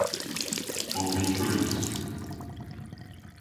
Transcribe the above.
Ov vy trist?